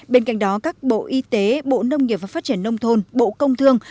bên cạnh đó các bộ y tế bộ nông nghiệp và phát triển nông thôn bộ công thương